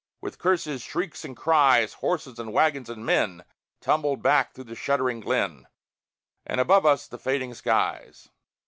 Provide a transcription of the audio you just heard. With curses, shrieks, and cries, Horses and wagons and men Tumbled back through the shuddering glen, And above us the fading skies.